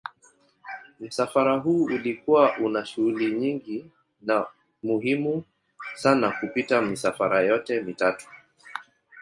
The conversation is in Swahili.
Msafara huu ulikuwa una shughuli nyingi na muhimu sana kupita misafara yote mitatu.